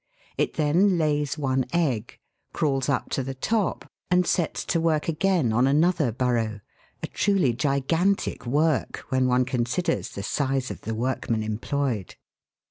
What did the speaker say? It then lays one egg, crawls up to the top, and sets to work again on another bur row a truly gi gantic work when one considers the size of the workman employed.